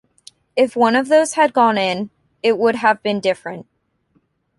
If one of those had gone in it would have been different.